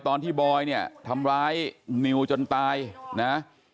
ตอนที่บอยเนี่ยทำร้ายนิวจนตายนะ